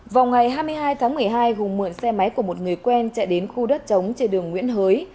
vào ngày hai mươi hai tháng một mươi hai hùng mượn xe máy của một người quen chạy đến khu đất trống trên đường nguyễn hới